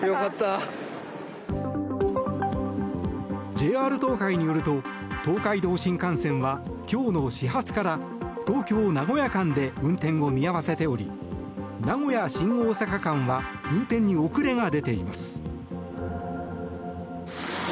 ＪＲ東海によると東海道新幹線は今日の始発から東京名古屋間で運転を見合わせており名古屋新大阪間は運転に遅れが出ています。